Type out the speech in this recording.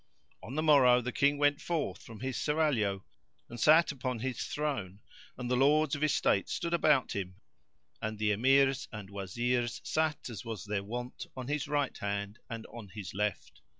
On the morrow the King went forth from his Serraglio and sat upon his throne, and the Lords of Estate stood about him, and the Emirs and Wazirs sat as was their wont on his right hand and on his left.